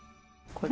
これ？